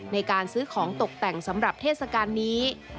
ในการซื้อของตกแต่งสำหรับเทศกาลนี้